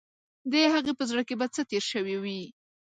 د هغې په زړه کې به څه تیر شوي وي.